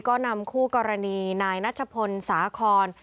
ก็นำคู่กรณีนายนัชพลสาคอน